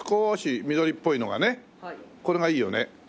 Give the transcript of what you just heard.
これがいいよね。